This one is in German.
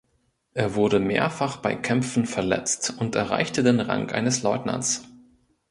Er wurde mehrfach bei Kämpfen verletzt und erreichte den Rang eines Leutnants.